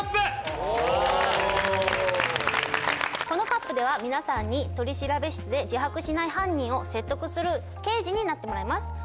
このＣＵＰでは皆さんに取調室で自白しない犯人を説得する刑事になってもらいます。